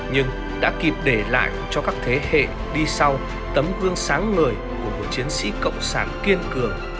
nhưng đã kịp để lại cho các thế hệ đi sau tấm gương sáng ngời của một chiến sĩ cộng sản kiên cường